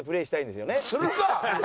するか！